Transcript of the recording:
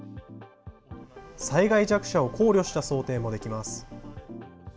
災害弱者を考慮した想定もできます。